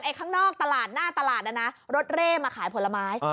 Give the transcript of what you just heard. ส่วนไอ้ข้างนอกตลาดหน้าตลาดนนะรถเร่มาขายผลไม้